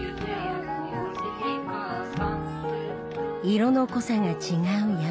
色の濃さが違う山吹色。